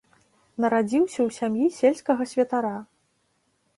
Нарадзіўся ў сям'і сельскага святара.